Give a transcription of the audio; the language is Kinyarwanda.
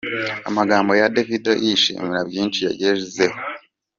Amagambo ya Davido yishimira byinshi yagezeho.